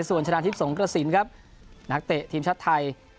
ส่วนชนะทิพย์สงกระสินครับนักเตะทีมชาติไทย